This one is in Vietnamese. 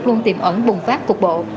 luôn tìm ẩn bùng phát cuộc bộ